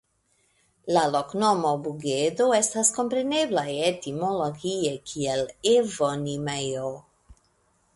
La loknomo "Bugedo" estas komprenebla etimologie kiel Evonimejo.